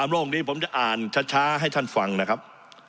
โลกนี้ผมจะอ่านช้าให้ท่านฟังนะครับ